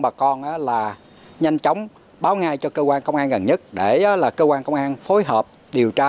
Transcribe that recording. bà con là nhanh chóng báo ngay cho cơ quan công an gần nhất để là cơ quan công an phối hợp điều tra